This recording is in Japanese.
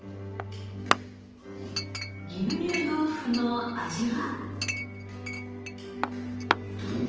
牛乳豆腐の味は？